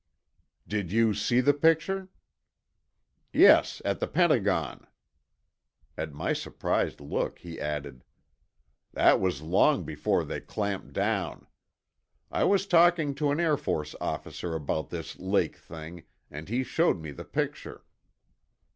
"Did you see the picture?" "Yes, at the Pentagon." At my surprised look, he added, "That was long before they clamped down. I was talking to an Air Force officer about this lake thing, and he showed me the picture."